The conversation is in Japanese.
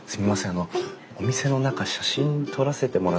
あのお店の中写真撮らせてもらってもいいですかね？